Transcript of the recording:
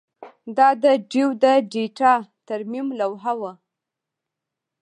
دا د ډیو د ډیټا ترمیم لوحه وه